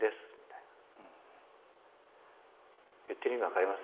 言ってる意味分かります？